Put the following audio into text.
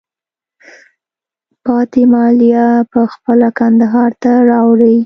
پاتې مالیه په خپله کندهار ته راوړئ.